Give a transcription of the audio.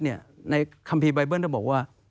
ในคำภีร์ไบเบิ้ลบอกว่า